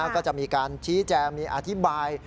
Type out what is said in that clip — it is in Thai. ก็จะมีการชี้แจงมีอธิบาย